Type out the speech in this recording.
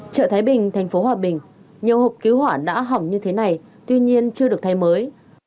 chợ thái bình thành phố hòa bình nhiều hộp cứu hỏa đã hỏng như thế này tuy nhiên chưa được thay mới